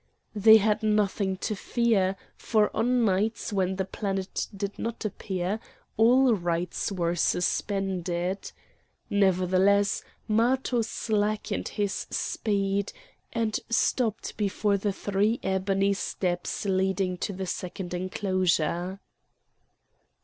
They had nothing to fear, for on nights when the planet did not appear, all rites were suspended; nevertheless Matho slackened his speed, and stopped before the three ebony steps leading to the second enclosure.